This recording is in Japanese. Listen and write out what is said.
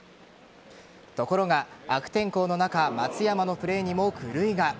ところが、悪天候の中松山のプレーにも狂いが。